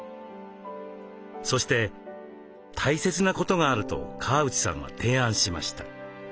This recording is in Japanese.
そして大切なことがあると川内さんは提案しました。